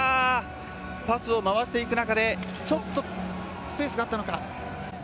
パスを回していく中でちょっとスペースがあったのか。